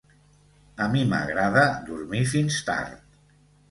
A mi m'agrada dormir fins tard.